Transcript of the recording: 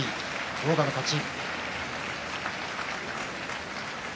狼雅の勝ち。